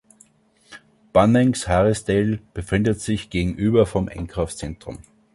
Bunnings Harrisdale befindet sich gegenüber vom Einkaufszentrum.